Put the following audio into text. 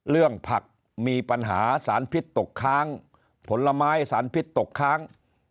เรื่องผักมีปัญหาสารพิษตกค้างผลไม้สารพิษตกค้าง